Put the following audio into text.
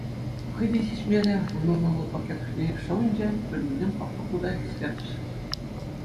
Хӑй те сисмерӗ, унӑн алли пакет ӑшне шӑвӑнчӗ, пӳрнисем хаклӑ хута хӗстерчӗҫ.